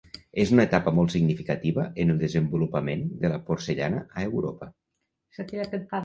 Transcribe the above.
És una etapa molt significativa en el desenvolupament de la porcellana a Europa.